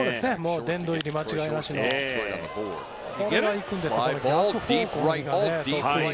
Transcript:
殿堂入り間違いなしですね。